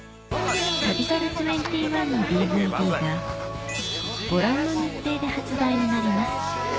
『旅猿２１』のＤＶＤがご覧の日程で発売になります